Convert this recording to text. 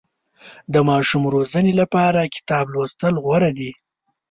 د ماشوم روزنې لپاره کتاب لوستل غوره دي.